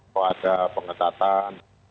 kalau ada pengetatan